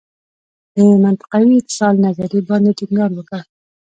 د منطقوي اتصال نظریې باندې ټینګار وکړ.